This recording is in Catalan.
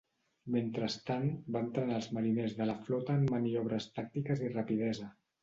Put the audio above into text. Mentrestant va entrenar els mariners de la flota en maniobres tàctiques i rapidesa.